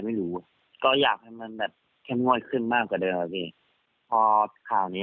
ไม่รู้ก็อยากให้มันแค่งดขึ้นมากกว่าเดียวพอข่าวนี้